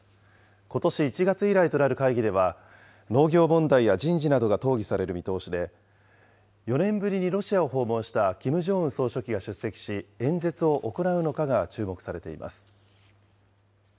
ことし１月以来となる会議では、農業問題や人事などが討議される見通しで、４年ぶりにロシアを訪問したキム・ジョンウン総書記が出席し、演説を行うのかが注目されています。